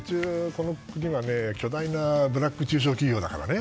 この国は巨大なブラック中小企業だからね。